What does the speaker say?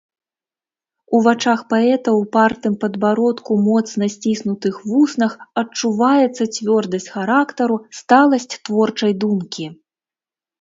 У вачах паэта, упартым падбародку, моцна сціснутых вуснах адчуваецца цвёрдасць характару, сталасць творчай думкі.